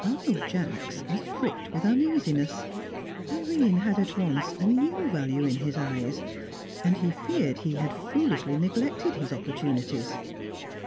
Arnold Jacks was pricked with uneasiness; Irene had at once a new value in his eyes, and he feared he had foolishly neglected his opportunities.